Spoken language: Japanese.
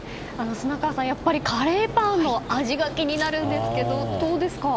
やっぱりカレーパンの味が気になるんですけどどうですか？